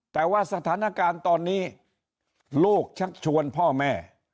แต่ว่าสถานการณ์ตอนนี้ลูกชักชวนพ่อแม่